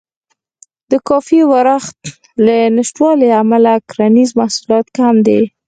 د کافي ورښت له نشتوالي امله کرنیز محصولات کم دي.